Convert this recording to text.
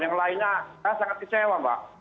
yang lainnya saya sangat kecewa mbak